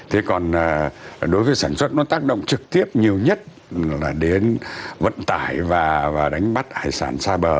thế còn đối với sản xuất nó tác động trực tiếp nhiều nhất là đến vận tải và đánh bắt hải sản xa bờ